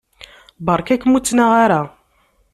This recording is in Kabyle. Beṛka-kem ur ttnaɣ ara.